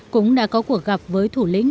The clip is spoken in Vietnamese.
cũng đã có cuộc gặp với thủ lĩnh